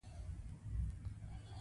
بېله لیکلي مأخذه له کومه کړي دي.